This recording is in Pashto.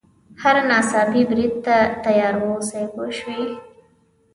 هر ناڅاپي برید ته تیار واوسي پوه شوې!.